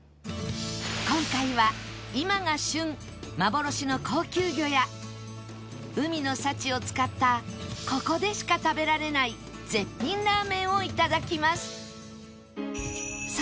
今回は今が旬幻の高級魚や海の幸を使ったここでしか食べられない絶品ラーメンを頂きます